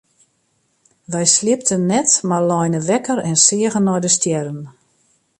Wy sliepten net mar leine wekker en seagen nei de stjerren.